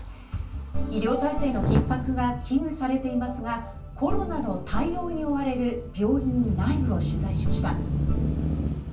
医療体制のひっ迫が危惧されていますがコロナの対応に追われる病院内部を取材しました。